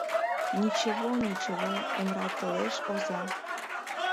— Ничево, ничево, — эмратылеш оза.